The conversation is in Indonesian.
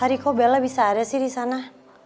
tadi kok bella bisa ada sih di sana